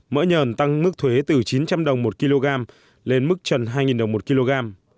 mỡ nhờn tăng mức thuế từ chín trăm linh đồng một kg lên mức trần hai đồng một kg